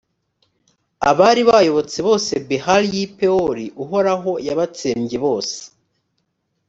abari bayobotse bose behali y’i pewori, uhoraho yabatsembyebose